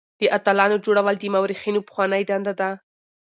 د اتلانو جوړول د مورخينو پخوانۍ دنده ده.